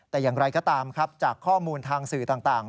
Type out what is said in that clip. แต่อย่างไรก็ตามครับจากข้อมูลทางสื่อต่าง